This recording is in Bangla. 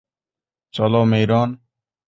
চলো, মেইরন!